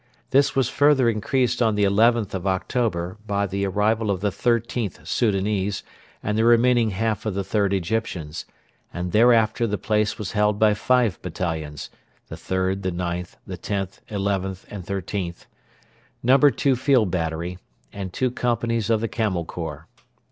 This was further increased on the 11th of October by the arrival of the XIIIth Soudanese and the remaining half of the 3rd Egyptians, and thereafter the place was held by five battalions (3rd, IXth, Xth, XIth, XIIIth), No. 2 Field Battery, and two companies of the Camel Corps.